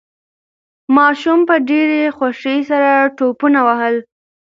ماشوم په ډېرې خوښۍ سره ټوپونه وهل.